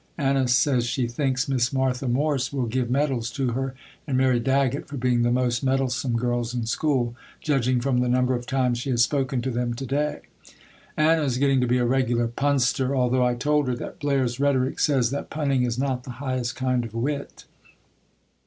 Anna says she thinks Miss Martha Morse will give medals to her and Mary Daggett for being the most meddlesome girls in school, judging from the number of times she has spoken to them to day. Anna is getting to be a regular punster, although I told her that Blair's Rhetoric says that punning is not the highest kind of wit.